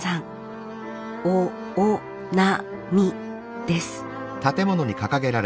「おおなみ」です